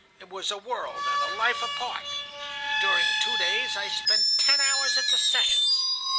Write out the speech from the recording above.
It was a world and a life apart. During two days I spent ten hours at the sessions.